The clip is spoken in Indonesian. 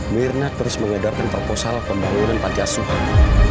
mirna terus mengedapkan proposal pembangunan panti asuhan